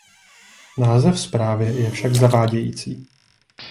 Název zprávy je však zavádějící.